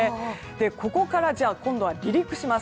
ここから今度は離陸します。